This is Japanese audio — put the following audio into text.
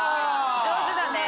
上手だね。